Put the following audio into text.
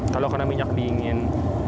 kalau kena minyak dingin